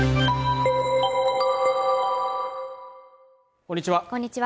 こんにちは